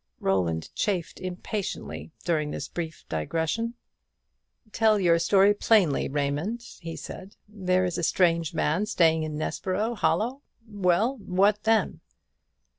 Roland chafed impatiently during this brief digression. "Tell your story plainly, Raymond," he said. "There is a strange man staying in Nessborough Hollow well; what then?"